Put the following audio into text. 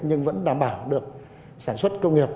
nhưng vẫn đảm bảo được sản xuất công nghiệp